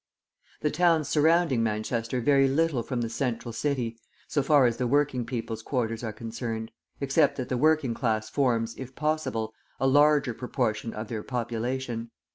The towns surrounding Manchester vary little from the central city, so far as the working people's quarters are concerned, except that the working class forms, if possible, a larger proportion of their population.